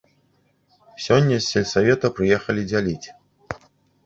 Сёння з сельсавета прыехалі дзяліць.